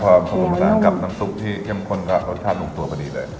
พอผสมผสานกับน้ำซุปที่เข้มข้นก็รสชาติลงตัวพอดีเลย